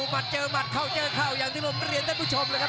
มัดเจอหมัดเข้าเจอเข้าอย่างที่ผมเรียนท่านผู้ชมเลยครับ